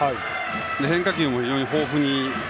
変化球も非常に豊富に。